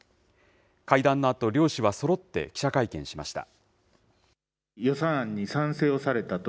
会談のあと、両氏はそろって記者会見しました。